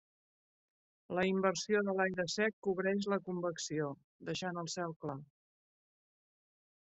La inversió de l'aire sec cobreix la convecció, deixant el cel clar.